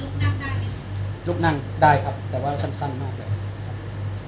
ตอนนี้ลุบนั่งได้ลุบนั่งได้ครับแต่ว่าสั้นสั้นมากเลยครับ